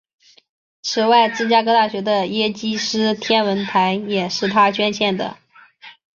此外芝加哥大学的耶基斯天文台也是他捐建的。